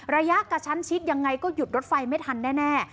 ระยะกระชั้นชิดยังไงก็หยุดรถไฟไม่ทันแน่